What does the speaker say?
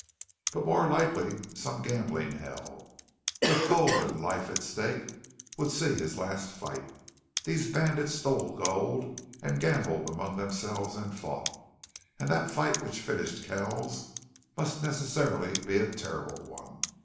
But more likely some gambling hell, with gold and life at stake, would see his last fight. These bandits stole gold and gambled among themselves and fought. And that fight which finished Kells must necessarily be a terrible one.